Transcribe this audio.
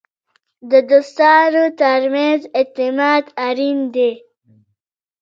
د دوستانو ترمنځ اعتماد اړین دی.